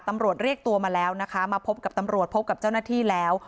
ตำรวจเรียกตัวมาแล้วนะคะมาพบกับตำรวจพบกับเจ้าหน้าที่แล้ว